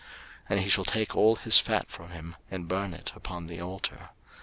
03:004:019 And he shall take all his fat from him, and burn it upon the altar.